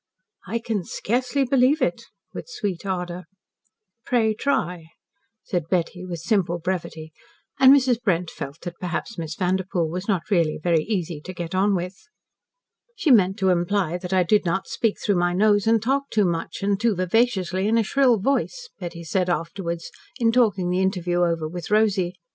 "I can scarcely believe it," with sweet ardour. "Pray try," said Betty with simple brevity, and Mrs. Brent felt that perhaps Miss Vanderpoel was not really very easy to get on with. "She meant to imply that I did not speak through my nose, and talk too much, and too vivaciously, in a shrill voice," Betty said afterwards, in talking the interview over with Rosy.